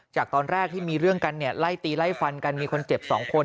จากตอนแรกที่มีเรื่องกันเนี่ยไล่ตีไล่ฟันกันมีคนเจ็บ๒คน